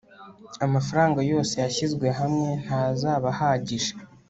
amafaranga yose yashyizwe hamwe ntazaba ahagije